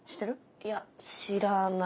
いや知らない。